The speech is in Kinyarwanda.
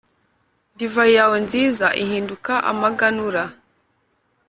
divayi yawe nziza ihinduka amaganura.